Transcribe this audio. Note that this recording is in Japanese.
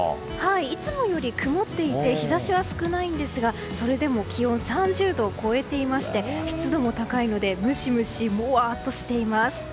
いつもより曇っていて日差しは少ないんですがそれでも気温３０度を超えていまして湿度も高いのでムシムシ、モワーッとしています。